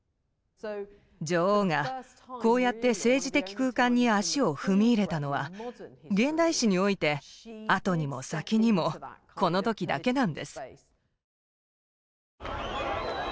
女王がこうやって政治的空間に足を踏み入れたのは現代史において後にも先にもこの時だけなんです。